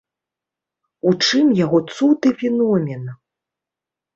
У чым яго цуд і феномен?